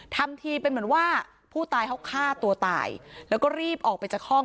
ทำทีเป็นเหมือนว่าผู้ตายเขาฆ่าตัวตายแล้วก็รีบออกไปจากห้อง